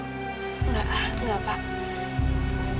enggak enggak pak